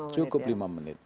cukup lima menit